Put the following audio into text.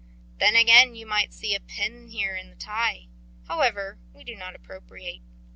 "Then again you might see a pin here in the tie. However we do not appropriate.